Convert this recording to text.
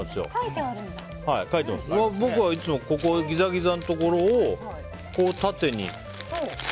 僕はいつもギザギザのところをこう、縦に。